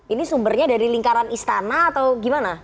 ini sumbernya dari lingkaran istana atau gimana